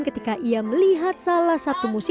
ketika ia melihat salah satu musisi